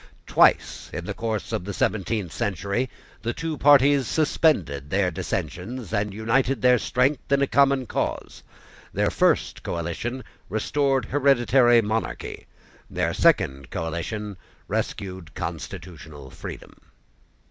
Twice, in the course of the seventeenth century, the two parties suspended their dissensions, and united their strength in a common cause. Their first coalition restored hereditary monarchy. Their second coalition rescued constitutional freedom.